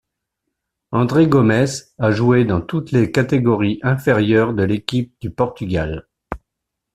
André Gomes a joué dans toutes les catégories inférieures de l'équipe du Portugal.